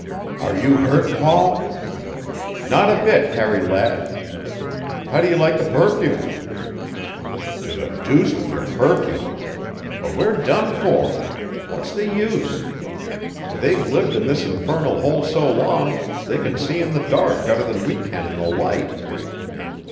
"Are you hurt, Paul?" "Not a bit, Harry lad. How do you like the perfume?" "To the deuce with your perfume! But we're done for. What's the use? They've lived in this infernal hole so long they can see in the dark better than we can in the light."